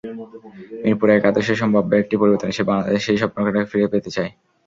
মিরপুরে একাদশে সম্ভাব্য একটি পরিবর্তন এনে বাংলাদেশ সেই স্বপ্নটাকে ফিরে পেতে চায়।